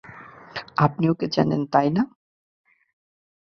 আপনি ওকে চেনেন, তাই না?